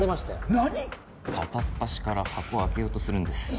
何⁉片っ端から箱開けようとするんです。